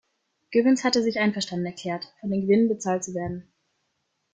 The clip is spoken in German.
Gibbons hatte sich einverstanden erklärt, von den Gewinnen bezahlt zu werden.